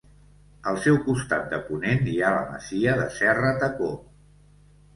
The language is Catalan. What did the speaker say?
Al seu costat de ponent hi ha la masia de Serratacó.